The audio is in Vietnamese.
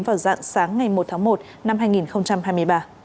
vào dạng sáng ngày một tháng một năm hai nghìn hai mươi ba